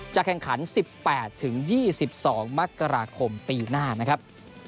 แข่งขัน๑๘๒๒มกราคมปีหน้านะครับ